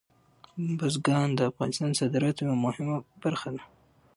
بزګان د افغانستان د صادراتو یوه مهمه برخه ده.